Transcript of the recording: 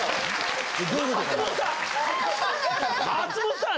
松本さん！